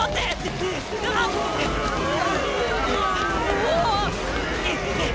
うわっ！